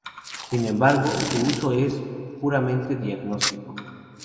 Sin embargo, su uso es puramente diagnóstico.